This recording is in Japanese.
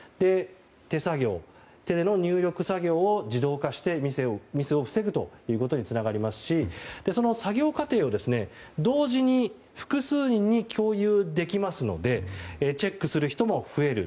手作業、手での入力作業を自動化してミスを防ぐということにつながりますしその作業過程を同時に複数人に共有できますのでチェックする人も増える。